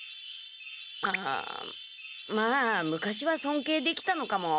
ああまあ昔はそんけいできたのかも。